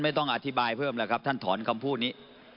ไม่ต้องอธิบายเพิ่มแล้วครับท่านถอนคำพูดนี้